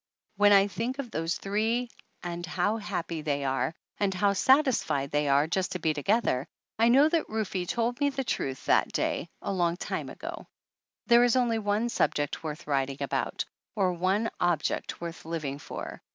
When I think of those three and how happy they are, and how satisfied they are just to be together, I know that Rufe told me the truth that day, a long, long time ago ! There is only one subject worth writing about or one object worth living for